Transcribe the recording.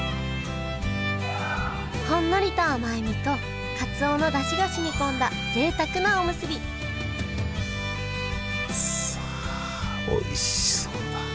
ほんのりと甘い身とかつおのだしが染み込んだぜいたくなおむすびさあおいしそうだ。